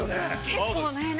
◆結構ね。